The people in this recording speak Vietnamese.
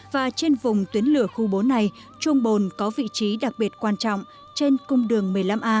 và trên vùng tuyến lửa khu bốn này chuồng bồn có vị trí đặc biệt quan trọng trên cung đường một mươi năm a